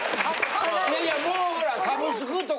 いやいやもうほらサブスクとか。